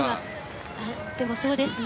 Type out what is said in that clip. でも、そうですね。